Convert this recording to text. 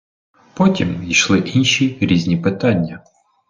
Потім ішли інші різні питання.